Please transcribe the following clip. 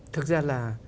thực ra là